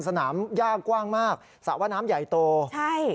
สนามย่ากว้างมากสระว่าน้ำใหญ่โตใช่